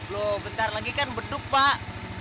loh bentar lagi kan beduk pak